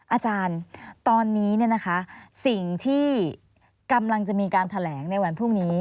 อาจารย์ตอนนี้สิ่งที่กำลังจะมีการแถลงในวันพรุ่งนี้